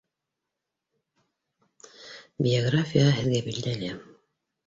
Биографияһы һеҙгә билдәле